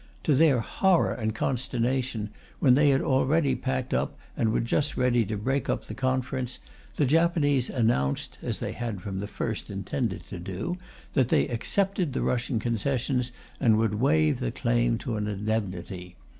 To their horror and consternation, when they had already packed up and were just ready to break up the conference, the Japanese announced (as they had from the first intended to do) that they accepted the Russian concessions and would waive the claim to an indemnity.